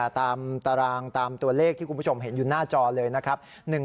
ตามตารางตามตัวเลขที่คุณผู้ชมเห็นอยู่หน้าจอเลยนะครับ